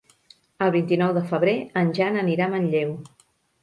El vint-i-nou de febrer en Jan anirà a Manlleu.